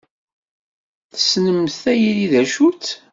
Tessnemt tayri d acu-tt?